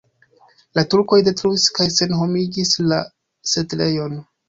La turkoj detruis kaj senhomigis la setlejon.